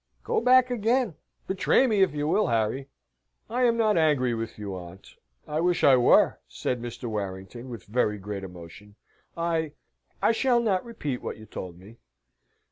Go back again! Betray me if you will, Harry." "I am not angry with you, aunt I wish I were," said Mr. Warrington, with very great emotion. "I I shall not repeat what you told me."